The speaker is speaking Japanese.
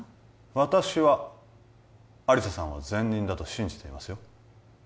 私は亜理紗さんは善人だと信じていますよ